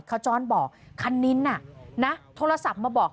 คจรบอกคนนินน่ะโทรศัพท์มาบอก